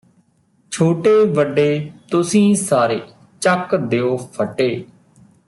ਛੋਟੇ ਵੱਡੇ ਤੁਸੀਂ ਸਾਰੇ ਚੱਕ ਦਿਓ ਫੱਟੇ